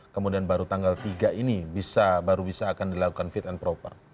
kemudian baru tanggal tiga ini bisa baru bisa akan dilakukan fit and proper